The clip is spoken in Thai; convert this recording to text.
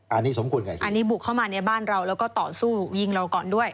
อันนี้บุกเข้ามาในบ้านเราแล้วก็ต่อสู้ยิงเราก่อนด้วย